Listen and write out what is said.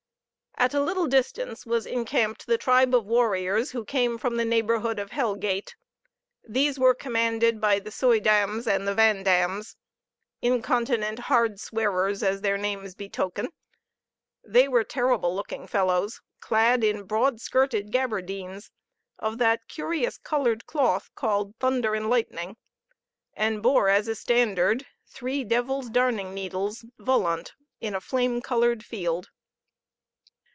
At a little distance was encamped the tribe of warriors who came from the neighborhood of Hell gate. These were commanded by the Suy Dams and the Van Dams, incontinent hard swearers, as their names betoken; they were terrible looking fellows, clad in broad skirted gaberdines, of that curious colored cloth called thunder and lightning, and bore as a standard three devil's darning needles, volant, in a flame colored field.